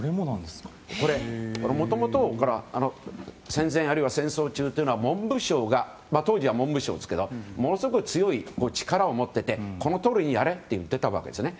これはもともと戦前あるいは戦争中は文部省が当時は文部省ですけどものすごく強い力を持っていてこのとおりにやれと言っていたわけですね。